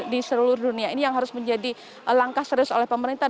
di seluruh dunia ini yang harus menjadi langkah serius oleh pemerintah